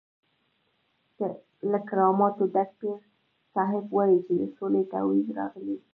له کراماتو ډک پیر صاحب وایي چې د سولې تعویض راغلی.